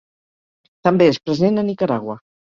També és present a Nicaragua.